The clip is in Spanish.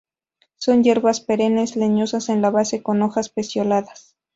Son hierbas perennes, leñosas en la base con hojas pecioladas.